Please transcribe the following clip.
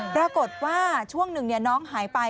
ปรากฏว่าช่วงหนึ่งน้องหายไป